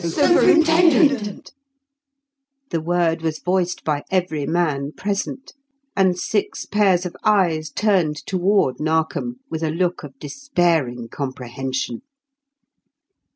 "Superintendent!" The word was voiced by every man present, and six pairs of eyes turned toward Narkom with a look of despairing comprehension.